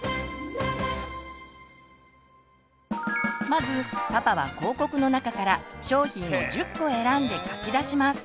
まずパパは広告の中から商品を１０個選んで書き出します。